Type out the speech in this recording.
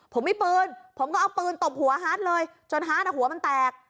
ผมมีปืนผมก็เอาปืนตบหัวฮาร์ดเลยจนฮาร์ดอ่ะหัวมันแตก